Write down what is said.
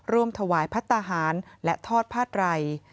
ร่วมถวายพัฒนาหารและทอดผ้าไร